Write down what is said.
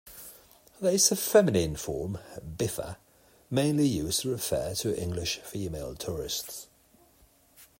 There is a feminine form, bifa, mainly used to refer to English female tourists.